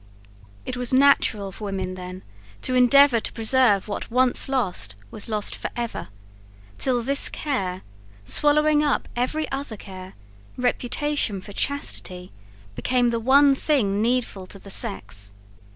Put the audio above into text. It was natural for women then to endeavour to preserve what once lost was lost for ever, till this care swallowing up every other care, reputation for chastity, became the one thing needful to the sex.